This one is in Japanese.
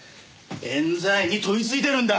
冤罪に飛びついてるんだ。